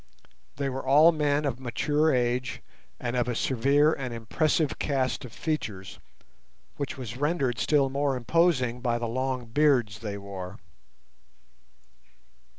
They were all men of mature age and of a severe and impressive cast of features, which was rendered still more imposing by the long beards they wore.